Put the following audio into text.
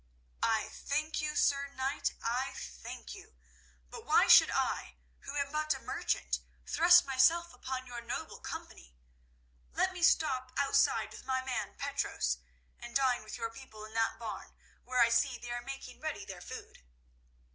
"I thank you, Sir Knight; I thank you. But why should I, who am but a merchant, thrust myself upon your noble company? Let me stop outside with my man, Petros, and dine with your people in that barn, where I see they are making ready their food."